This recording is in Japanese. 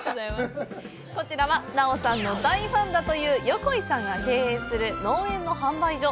こちらは奈緒さんの大ファンだという横井さんが経営する農園の販売所。